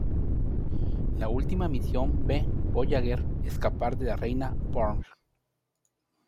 La última misión ve Voyager escapar de la Reina Borg.